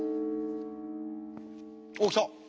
おう来た！